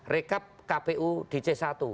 rekap kpu di c satu